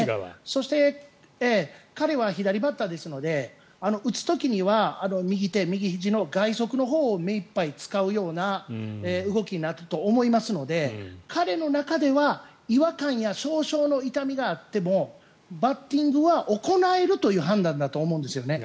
そして、彼は左バッターですので打つ時には右手、右ひじの外側のほうを目いっぱい使うような動きになると思いますので彼の中では違和感や少々の痛みがあってもバッティングは行えるという判断だと思うんです。